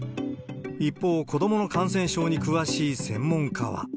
一方、子どもの感染症に詳しい専門家は。